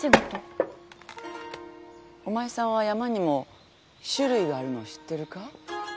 お前さんは山にも種類があるのを知ってるか？